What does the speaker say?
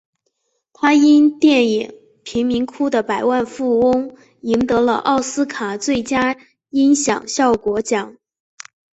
他因电影贫民窟的百万富翁赢得了奥斯卡最佳音响效果奖。